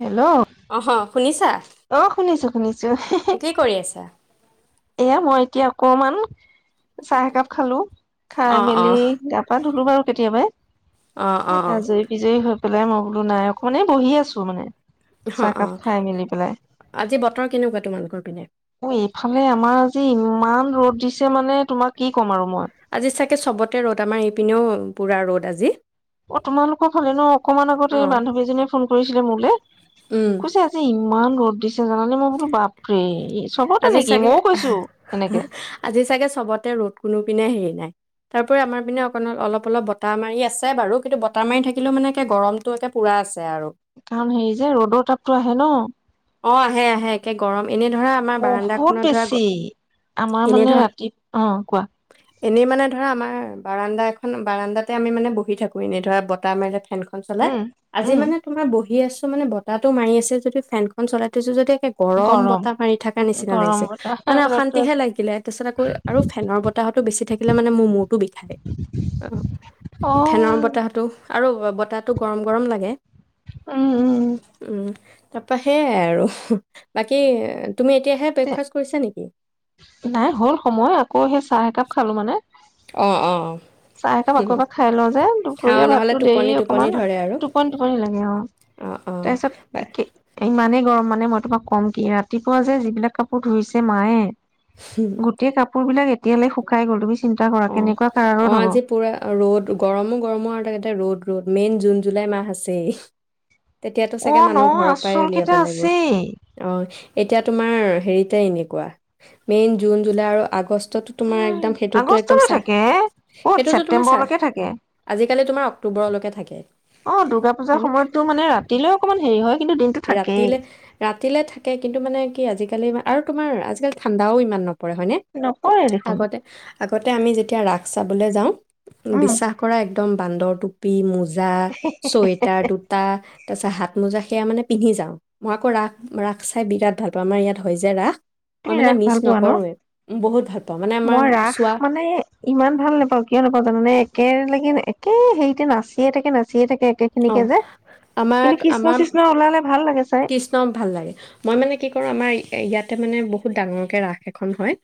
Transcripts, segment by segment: Hello অহ শুনিছা অ শুনিছো শুনিছো কি কৰি আছা এয়া মই এতিয়া অকমান চাহ একাপ খালো খাই অ অ মেলি গা পা ধু- ধোলো বাৰু কেতিয়াবাই অ অ আজয়ী বিজয়ী হ পেলাই মই বোলো নাই অকণমানে বহি আছো মানে অ চাহকাপ অ খাই মেলি পেলাই আজি বতৰ কেনেকুৱা তোমালোকৰ পিনে মানে আমাৰ আজি ইমান ৰ'দ দিছে মানে তোমাক কি ক'ম আৰু মই আজি চেক- তাকে চবতে ৰ'দ আমাৰ এইপিনেও পুৰা ৰ'দ আজি অ তোমালোকৰ খালে ন অকণমান আগতে অ এই বান্ধৱী জনীয়ে ফোন কৰি কৰিছিলে মোলে উম কৈছে আজি ইমান গৰম চিচিন জানে মই বোলো বাপৰে চবতে আজি নেকি চাগে মইও কৈছো উম এনেকে উমহ আজি চাগে চবতে ৰ'দ কোনো পিনে হেৰি নাই তাৰ উপৰি আমাৰ পিনে অকণ অলপ অলপ বতাহ মাৰি আছে বাৰু কিন্তু বতাহ মাৰি থাকিলেও মানেে গৰমটো একে পুৰা আছে আৰু কাৰণ হেৰি যে ৰ'দৰ তাপতো আহে ন অ আহে আহে একে গৰম এনে ধৰা আমাৰ বহুত বাৰাণ্ডাখনত ধৰা বেছি গ- আমাৰ এনে মানে ধৰা ৰাতি অ কোৱা এনেই মানে ধৰা আমাৰ বাৰাণ্ডা এখন বাৰাণ্ডাতে আমি মানে বহি থাকো এনেই ধৰা বতাহ মে ফেনখন খন চলাই উম আজি উম মানে তোমাৰ বহি আছো মানে বতাহটো মাৰি আছে যদিও ফেনখন ফেনখন চলাই থৈছো যদি এ গৰম বতাহ মাৰি থাকা নিচিনা গৰম লাগিছে বতাহ মানে ৰ'দটো অশান্তিহে আছে লাগিলে তাৰপিছত আকৌ আৰু ফেনৰ বতাহটো বেছি থাকিলে মানে মোৰ মূৰটো বিষায় অ অ ফেনৰ বতাহটো আৰু বতাহটো গৰম গৰম লাগে উম উম উম তাপাহ সেয়াই আৰু উমহ বাকী এ তে নাই হ'ল সময় আকৌ সেই চাহ একাপ খালো মানে অ অ চাহ একাপ আকৌ এবাৰ খাই লওঁ যে খাওঁ দুপৰীয়া নহ'লে ভাততো দেৰি টোপনি টোপনি অকমান ধৰে আৰু টোপনি টোপনি লাগে অ অ অ তাৰপিছত ইমানেই গৰম মা মানে মই তোমাক ক'ম কি ৰাতিপুৱা যে যিবিলাক কাপোৰ ধুইছে মায়ে গোটেই কাপ কাপোৰ বিলাক এতিয়ালে শুকাই গ'ল চিন্তা কৰা কেনেকুৱা কাৰণত অঁ আজি পূৰা ৰ'দ গৰমো গৰমো আৰু তোকেতে ৰ'দ ৰ'দ মেইন জুন জুলাই মাহ আছেই তেতিয়াতো অ চাগে ন মানুহ ঘৰৰ পৰাই আচল উলিয়াব কেইটা লাগিব আছেই আহ এতিয়া তোমাৰ হেৰিতে এনেকুৱা মেইন জুন জুলাই আৰু আগষ্ট তো তোমাৰ একদম সেইটোত একদম আগষ্টলৈ চা থাকে ক'ত সেইটোতো তোমাৰ চাহ ছেপ্তেম্বৰলৈকে থাকে আজিকালি তোমাৰ অক্টোবৰৰ লৈকে থাকে অ দুৰ্গা পূজাৰ হয়নে সময়তো মানে ৰাতিলৈ অকমান হেৰি হয় কিন্তু দিনটো থাকেই ৰাতিলে ৰাতিলে থাকে কিন্তু মানে‌ কি আজিকালি আৰু তোমাৰ আজিকালি ঠাণ্ডাও ইমান নপৰে পৰে হয়নে নকৰে দেখোন আগতে লগতে আমি যেতিয়া ৰাস চাবলৈ যাওঁ উম বিশ্বাস কৰা এক একদম বান্দৰ টুপি মোজ মোজা ছুৱেটাৰ দুটা তাৰ পিছত হাত মোজা সেয়া মানে পিন্ধি যাওঁ, মই আকৌ ৰাস - ৰাস চাই বিৰাট ভাল পাওঁ, আমাৰ ইয়াত হয় যে ৰাস। মই তুমি মানে ৰাস মিচ ভাল পোৱা ন নকৰোৱে ইমানে ভাল পাওঁ, মানে আমাৰ মই ৰাস চোৱা মানে ইমান ভাল নাপাওঁ কিয় নাপাওঁ জানানে একেলগে কেই হেৰিতে নাচিয়ে থাকে নাচিয়ে থাকে। অ, একেখিনিকে যে আমাৰ কিন্তু - কৃষ্ণ আমাৰ কৃষ্ণ ওলালে ভাল লাগে চাই কৃষ্ণ'ক ভাল লাগে, মই মানে কি কৰো আমাৰ ইয়াতে মানে বহুত ডাঙৰকে ৰাস এখন হয়।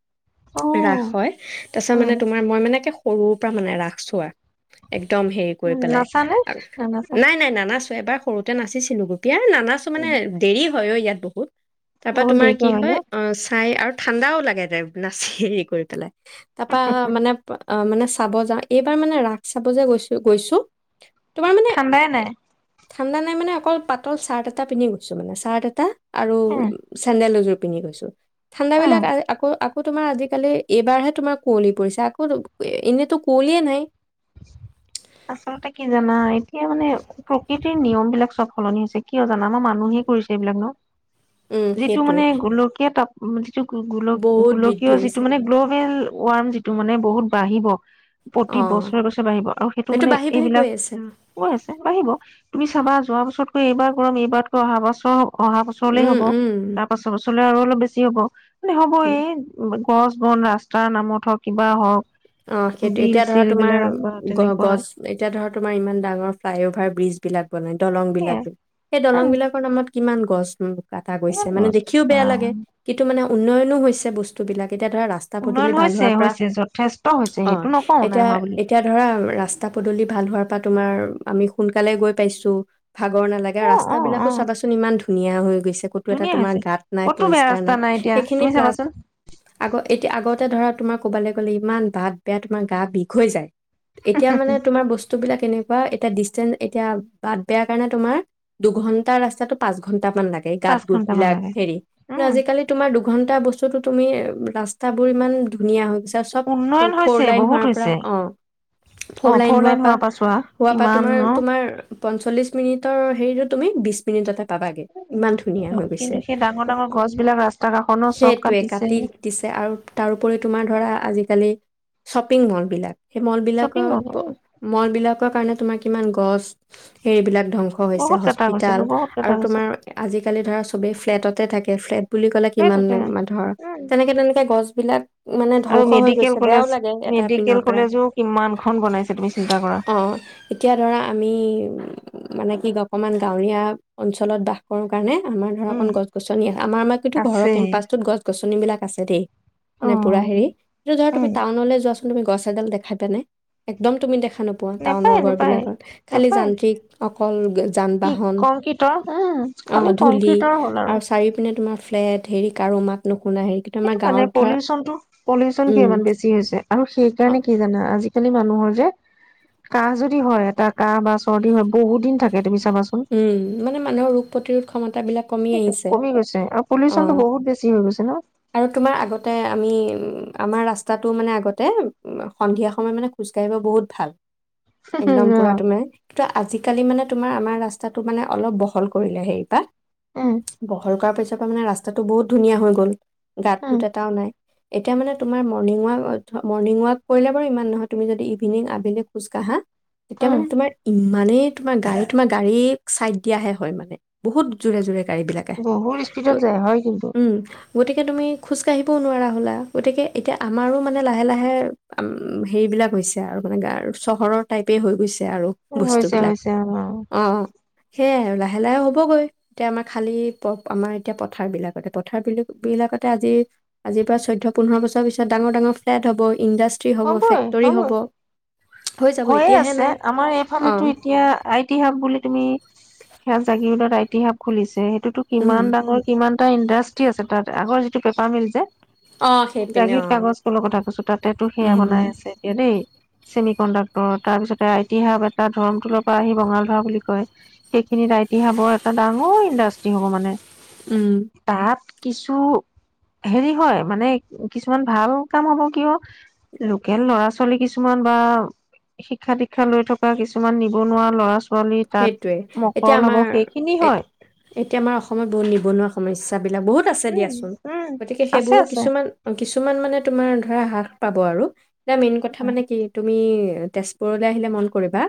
অ ৰাস উম হয় তাৰপিছত মানে উম তোমাৰ মই মানে। সৰুৰ পৰা মানে ৰাস চোৱা একদম হেৰি কৰি পেলাই নাচানে নানাচা নাই - নাই নানা নাচো এবাৰ সৰুতে নাচিছিলোগে এএএ নানাচো মানে দেৰি হয় অ ইয়াত বহুত। তাৰপা বহুত তোমাৰ দেৰিকৈ কি ন হয় অ, চাই আৰু ঠাণ্ডাও লাগে দে হেৰি কৰি পেলাই। তাৰপা মানে অ, মানে। চাব যাওঁ, এইবাৰ মানে ৰাস চাব যে গৈছো - গৈছো তোমাৰ মানে ঠাণ্ডাই এ, নাই। ঠাণ্ডা নাই মানে অকল পাতল চাৰ্ট এটা পিন্ধি গৈছো মানে চাৰ্ট এটা আৰু উম চেন্দেল এযোৰ পিন্ধি গৈছো। ঠাণ্ডা উম বিলাক আৰু আকৌ আকৌ আকৌ তোমাৰ আজিকালি এইবাৰহে তোমাৰ কুঁৱলী পৰিছে আকৌ এএএএ এনেতো কুঁৱলীয়ে নাই। আচলতে কি জানা এতিয়া মানে প্ৰকৃতিৰ নিয়ম বিলাক চব সলনি হৈছে, কিয় জানা আমাৰ মানুহে কৰিছে এইবিলাক ন? উম যিটো সেইটোৱে মানে গোলকীয়া তপ হম যি গো গোল বহুত বৃদ্ধি গোলকীয় যিটো হৈছে মানে গ্ল'বেল। ৱাৰ্ম যিটো মানে বহুত বাহিব। প্ৰতি অ বছৰ [unintelligible] গৈছে বাঢ়িব আৰু সেইটো মানে বাঢ়ি বাঢ়ি গৈ এইবিলাক আছে অ কৈ আছে বাহিব তুমি চাবা যোৱা বছ বছতকৈ এইবাৰ গৰম এইবাৰতকৈ অহা বছৰ হ'ব। অহা বছৰলে উম হ'ব, উম তাৰ পাছৰ বছৰলে আৰু অলপ বেছি হ'ব উম হ'বয়ে গছ বন ৰাস্তাৰ নামত হওক, কিবা হওক অ সেইটো, বিল এতিয়া ধৰা চিল তোমাৰ বিলাক বা তেনেকুৱা গছ, এতিয়া ধৰা তোমাৰ ইমান ডাঙৰ ফ্লাই অভাৰ ব্ৰীজ বিলাক বনাই, দলং বিলাক। সেয়াই সেই দলং বিলাকৰ নামত কিমান গছ নো? কাটা কিমান গৈছে মানে, লছ দেখিও বা বেয়া লাগে কিন্তু মানে উন্নয়নো হৈছে বস্তুবিলাক তেতিয়া ধৰা ৰাস্তা উন্নয়ন পদূলি ভাল হৈছে হোৱাৰ পৰা হৈছে যথেষ্ট হৈছে অ সেইটো নকওঁ নাই এতিয়া হোৱা বুলি এতিয়া ধৰা ৰাস্তা পদূলি ভাল হোৱাৰ পৰা তোমাৰ আমি সোনকালে গৈ পাইছো ভাগ ব'ৰ নালাগে অ আৰু ৰাস্তা অ বিলাকো অ চাবাচোন ইমান ধুনিয়া ধুনীয়া হৈ ো ধুনীয়া তমাৰ হৈছে গ নাই ক'তো পৰি বেয়া ন ৰাস্তা নাই এতিয়া তুমি সেইখিনা চাবাচোন এ আগত [unintelligible] ধৰা, তোমাৰ ক'বালে গলে ইমান বাত বেয়া, তোমাৰ গা বিষ হৈ যায় এতিয়া মানে তোমাৰ বস্তু বাট বেয়া কাৰণে দুঘণ্টাৰ ৰাস্তাটো পাঁচঘন্টা গাত পাঁচ গোট ঘন্টা মান বিলাক লাগে হেৰি, উম আজিকালি তোমাৰ দুঘন্টা বস্তুতো তুমি ৰাস্তা বোৰ ইমান ধুনীয়া হৈ গৈছে চব উন্নয়ন ফ'ৰ হৈছে লাইন বহুত হোৱাৰ পৰা হৈছে অ, ফৰ লাইন হোৱাৰ পৰা হোৱা পৰা তোমাৰ তোমাৰ পঞ্চল্লিশ মিনিটৰ হেৰিটো তুমি বিশ মিনিটতে পাবাগে। ইমান ধুনীয়া হৈ গৈছে, কিন্তু সেই ডাঙৰ ডাঙৰ গছ বিলাক ৰাস্তা কাষৰ ন চব সেইটোৱে কাটিছে কাটি দিছে আৰু তাৰওপৰি তোমাৰ ধৰা আজি আজিকালি শ্বপিং মল বিলাক সেই মল শ্বপিং বিলাকৰ মল মল বিলাকৰ কাৰণে তোমাক কিমান গছ সেইবিলাক ধ্বংস হৈছে বহুত কটা হস্পিিতাল গৈছেতো বহুত কটা আৰু গৈছে তোমাৰ আজিকালি ধৰা চবেই ফ্লেটত থাকে ফ্লেট বুলি কলে কিমান সেইটোতে ধৰ, উম তেনেকে তেনেকে গছ বিলাক মানে আৰু ধংস হৈ মেডিকেল গৈছে বেয়াও কলেজ লাগে এটা পিনৰ মেডিকেল পৰা, কলেজো কিমানখন বনাইছে তুমি চিন্তা কৰা অ এতিয়া ধৰা আমি মানে কি অকমান গাঁৱলীয়া অঞ্চলত বাস কৰোঁ কাৰণে আমাৰ ধৰা উম অকন গছ গছনি আমাৰ মাটিটো ঘৰৰ আছে কেম্পাছটোত গছ গছনি নী বিলাক আছে দেই অ', মানে পুৰা হেৰি তুমি উম, টাউনলৈ তুমি গছ এডাল দেখা দিয়া নে একদম তুমি দেখা দে নোপোৱা টাউনৰ নেপায় ঘৰ নেপায় বিলাকত খালি নেপায় যান্ত্ৰিক অকল যান কি বাহন কংক্ৰিটৰ উম, অ খালি ধূলি কংক্ৰিটৰ হ'ল আৰু চাৰি পিনে তোমাৰ ফ্লেট হেৰি কাৰো মাত ন সেইটো কাৰণে পলিউচনটো পলিচ উম ইমান বেছি হৈছে আৰু অঁ সেইকাৰণে কি জানা আজিকালি মানুহৰ যে কাহ যদি হয় এটা কাহ বা চৰ্দি হয় বহুত দিন থাকে তুমি চাবাচোন উম মানে মানুহৰ ৰোগ প্ৰতিৰোধ ক্ষমত তাক কমি সেইটো আহিছে কমি গৈছে আৰু অ পলিউচনটো বহুত বেছি হৈ গৈছে ন আৰু তোমাৰ আগতে আমি উম আমাৰ ৰাস্তাটো মানে আগতে সন্ধিয়া সময়ত মানে খোজকাঢ়িব বহুত ভাল একদম পুৰা অ', তোমাৰ কিন্তু আজিকালি মানে তোমাৰ আমাৰ ৰাস্তাটো মানে অলপ বহল কৰিলে হেৰি পাত উম, বহলকা পছ ত মানে ৰাস্তাটো বহুত ধুনীয়া হৈ গ'ল গাঁত উম, গোত এটাও নাই এতিয়া মানে তোমাৰ মৰ্ণিং ৱাক মৰ্ণিং ৱাক কৰিলে বাৰু ইমান নহয় তুমি যদি ইভিনিং আবিলে খোজ কঢ়া তেতিয়া উম, মানে তোমাৰ ই মানে তোমাৰ গায়ক তোমাৰ গাড়ী চাইদ দিয়াহে হয় মানে বহুত জোৰে জোৰে গাড়ীবিলাক আহে বহুত স্পীডত গ- যায় হয় কিন্তু উম গতিকে তুমি খোজকাাঢ়িবও নোৱাৰা হলা গতিকে এতিয়া আমাৰো মানে লাহে লাহে হেৰিবিলাক হৈছে আৰু মানে গ চহৰৰ টাইপেই হৈ গৈছে হৈছে হৈছে অ অ অ সেয়াই আৰু লাহে লাহে হ'বগৈ এতিয়া আমাৰ খালী প আমাৰ এতিয়া পথাৰবিলাকতে পথাৰবিলাকতে আজি আজিৰ পৰা চৈধ্য পোন্ধৰ বছৰ পিছত ডাঙৰ ডাঙৰ ফ্লেট হ'ব ইণ্ডাষ্ট্ৰি হ'ব হ'বই ফেক্টৰী হ'ব হৈ যাব হৈয়ে এতিয়াহে আছে নাই আমাৰ অ এইফালেতো এতিয়া তিহাব বুলি তুমি সেয়া জাগিৰোডত ইতিহাব খুলিছে তোতো উম কিমান ডাঙৰ কিমান এটা ইণ্ডাষ্ট্ৰি আছে তাত আগৰ যিটো পেপাৰ মিল যে। অ সেইপিনে অ জাগীৰ কাগজ কলৰ কথা কৈছো তাতে তো সেয়া উম বনাই আছে এতিয়া নে? চেমি কণ্ডাক্টৰ তাৰ পিছতে আই টি হাব এটা ধৰমটোলৰ পৰা আহি বঙাল ধৰা বুলি কয় সেইখিনিত আই টি হাবৰ এটা ডাঙৰ ইণ্ডাষ্ট্ৰি হ'ব মানে। উম তাত কিছু হেৰি হয় মানে কিছুমান ভাল কাম হ'ব কিয় লোকেল ল'ৰা ছোৱালী কিছুমান বা শিক্ষা দিক্ষা লৈ থকা কিছুমান নিবনুৱা ল'ৰা ছোৱা সেইটোৱে এতিয়া আমাৰ সেইখিনি এ, হয় এতিয়া আমাৰ অসমত বহুত নিবনুৱা সমস্যাাবিলাক বহুত- থিক আছে উম দিয়াচোন, উম গতিকে আছে সেইবোৰো আছে কিছুমান কিছুমান মানে তোমাৰ ধৰা হ্ৰাস পাব আৰু। এতিয়া মেইন কথা উম মানে কি তুমি তেজপুৰলৈ আহিলে মন কৰিবা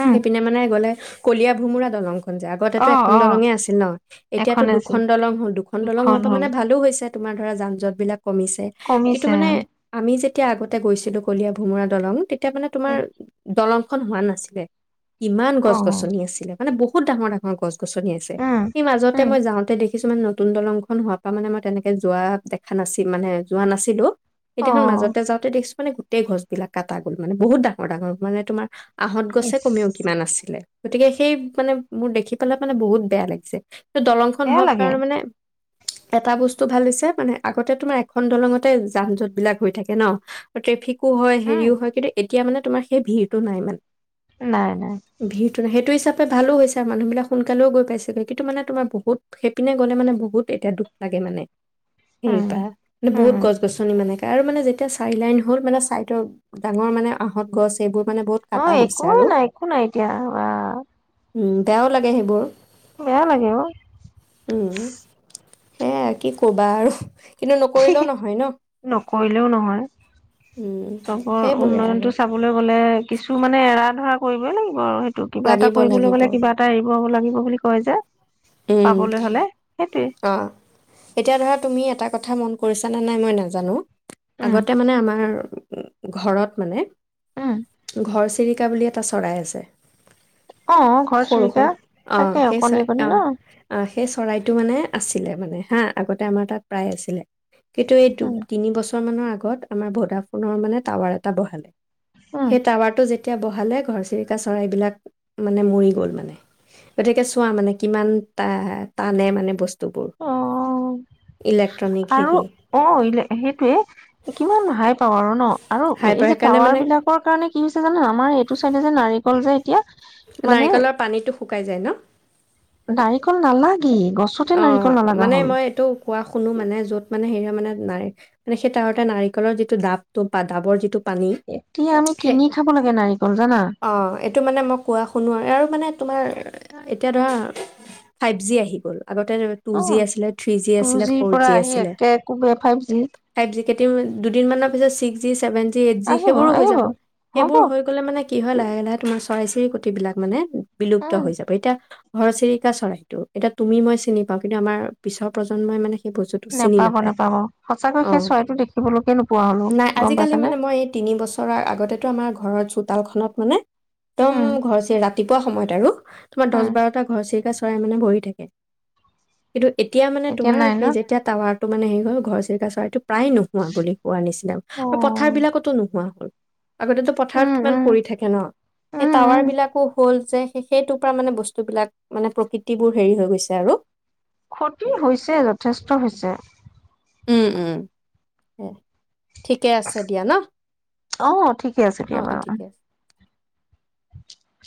উম সেইপিনে মানে গ'লে কলিয়া ভোমোৰা দলং যে আগতে অ এখন অ দলঙে আছিল ন' এতিয়াতো এখন আছিল দুখন দলং হল দুখন দলং হোৱাৰ পৰা মানে ভালো হৈছে। তোমাৰ ধৰা যান জঁট বিলাক কমিছে কিন্তু কমিছে মানে আমি যে তেতিয়া আগতে গৈছিলো কলিয়া ভোমোৰা দলং ত তেতি এতিয়া মানে তোমাৰ দলং হোৱা নাছিলে ইমান অ উম গছ-গছনি আছিলে। মানে বহু ডাঙৰ ডাঙৰ গছ গছনি আছে সেই মাজতে উম মই যাওঁতে দেখি কিছুমান নতুন দলংখন হোৱা পৰা মানে মই তেনেকে যোৱা দেখা নাছিল মানে যোৱা নাছিলো। অ সেইদিনাখন মাজতে যাওঁতে দেখিছো মানে গোটেই গছ বিলাক কাটা গ'ল মানে বহুত ডাঙৰ ডাঙৰ মানে তোমাৰ আহঁত গছে ইচ কমেও কিমান আছে। গতিকে সেই মানে মোৰ দেখি পালা মানে বহুত বেয়া লাগিছে। দলংখন বেয়া হোৱাৰ লাগে কাৰণে মানে এটা বস্তু ভাল দিছে মানে আগতে তোমাৰ এখন দলঙতে যান জঁট বিলাক হৈ থাকে ন' ট্ৰেফিক হয় উম হেৰিও হয় কিন্তু এতিয়া মানে তোমাৰ সেই ভিৰটো নাই মানে। নাই নাই। ভিৰটোনে সেইটো হিচাপে ভালো হৈছে আৰু মানুহবিলাক সোনকালেও গৈ পাইছেগৈ কিন্তু মানে তোমাৰ বহুত সেইপিনে গলে মানে বহুত এতিয়া দুখ লাগে মানে। উম সেইপা বহুত উম গছ গছনি মানে- মানে যেতিয়া চাৰি লাইন হ'ল মানে চাইডৰ ডাঙৰ মানে আহঁত গছ এইবোৰ মানে বহুত অ কাটা গৈছে একোে আৰু নাই একো নাই এতিয়া বা উম বেয়াও লাগে সেইবোৰ বেয়া লাগে অ উম হে কি কবা আৰু কিন্তু নকৰিলেও নহয় ন নকৰিলেও নহয় উম চবৰ সেইবোৰে আৰু উন্নয়নতটো চাবলৈ গ'লে কিছু মানে এৰা ধৰা কৰিবই লাগিব আৰু ত কিবা এটা লাগিব কৰিবলৈ লাগিব গ'লে কিবা এটা এৰিব লাগিব বুলি কয় যে উম পাবলৈ হ'লে সেইটো অঁ এতিয়া ধৰা তুমি এটা কথা মন কৰিছা নে নাই মই নাজানো উম আগতে মানে আমাৰ ঘৰত মানে উম ঘৰ চিৰিকা বুলি এটা চৰাই আছে অ ঘৰ সৰু চিৰিকা সৰু অঁ থাকে সেই অকণী চৰাই অকণী অঁ ন অঁ সেই চৰাইটো মানে আছিলে মানে হা আগতে আমাৰ তাত প্ৰায় আছিলে কিন্তু এই উম তিনি বছৰমানৰ আ আগত আমাৰ ভডা ফোনৰ মানে টাৱাৰ এটা বহালে উম সেই টাৱাৰটো যেতিয়া এতিয়া বহালে ঘৰচিৰিকা চৰাইবলাক মানে মৰি গ'ল মানে গতিকে চোৱা মানে কিমান টানে মানে বস্তু অ ইলেক্ট্ৰনিক আৰু হেৰি অ সেইটোৱে কিমান হাই পাৱ আৰু ন আৰু হাইপাৰ এই যে সেইকাৰণে মানে টাৱাৰ বিলাকৰ কাৰণে কি হৈছে জানো আমাৰ এইটো চাইডে যে নাৰিকল যে এতিয়া মানে নাৰিকলৰ পানীটো শুকাই যায় ন নাৰিকল নালাগ অ মানে মই এইটো কোৱা শুনো মানে যত মানে হেৰিয়া মানে ন মানে সেই তাহতে নাৰিকলৰ যিটো ডাবটো বা ডাবৰ যিটো পানী এতিয়া আমি সেই কিনি খাব লাগে নাৰিকল জানা টো মানে মই কোৱা শুনো আৰু মানে তোমাৰ এ এতিয়া ধৰা ফাইভ জি আহি গ'লোঁ আগতে টু অ জি আছিল থি জি টু আছিল জিৰ ফৰ পৰা জি আহি আছিল একে কোবে ফাইভ জি জ কেই দুদিনমানৰ পিছত ছিক্স জি চছেভেন এ জি আহিব সেইবোৰো হৈ আহিব যাব হ'ব সেইবোৰ হৈ গ'লে মানে কি হয় লাহে লাহে তোমাৰ চৰাই চিৰি কট বিলাক মানে বিলুপ্ত উম হৈ যাব এটিয়া ঘৰচিৰিকা চৰাইটো এতিয়া তুমি মই চিনি পাওঁ কিন্তু আমাৰ পিছৰ প্ৰজন্মই মানে সেই বস্তুটো চিনি নেপাব নাপায় নেপাব সঁচাকৈ অ সেই চৰাইটো দেখিবলৈকে নোপোৱা হলো নাই গম আজিকালি পাইছানে মানে মই এই তিনি বছৰৰ আগতেো আমাৰ ঘ চোতালখনত মানে একদম উম ঘৰছে ৰা ৰাতিপুৱা সময়ত আৰু তোমাৰ দহ উম বাৰটা ঘৰ চ গ চৰাই মানে বহি থাকে কিন্তু এতিয়া মানে তোমাৰ নাই ন সেই যেতিয়া টাৱাৰ ত মেৰি' ঘনচিৰিকা চৰাইটো প্ৰায় নোহোৱা বুলি কোৱাৰ নিচিনা অ আৰু পথাৰবিলাকতো নোহোৱা হ'ল আগতেো পথাৰত উম কিমান উম পৰি থাকে ন এই উম টাৱাৰ উম বিলাকো হ'ল যে সেইটো পৰা মানে বস্তু বিলাক মানে প্ৰকৃতি বোৰ হেৰি হৈ গৈছে আৰু ক্ষতি হৈছে যথেষ্ট হৈছে উম উম ঠিকে আছে দিয়া ন অ ঠিকে আছে অ', দিয়া অ', বাৰু ঠিকে আছে। [inaudible]